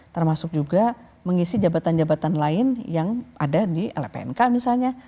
termasuk juga mengisi jabatan jabatan lain yang ada di lpnk misalnya